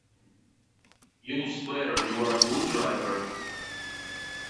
You swear you're a good driver?